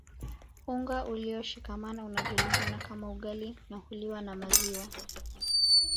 Unga ulioshikamana unajulikana kama ugali na huliwa kwa maziwa